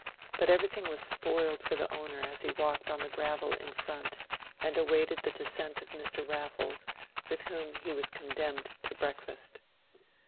But everything was spoiled for the owner as he walked on the gravel in front and awaited the descent of Mr. Raffles, with whom he was condemned to breakfast.